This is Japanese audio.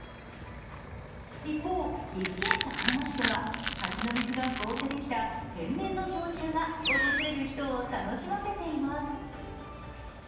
一方、岐阜県高山市では滝の水が凍ってできた天然の氷柱が訪れる人を楽しませています。